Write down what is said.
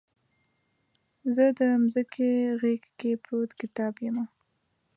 زه دمځکې غیږ کې پروت کتاب یمه